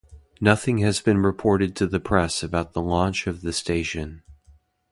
Nothing has been reported to the press about the launch of the station.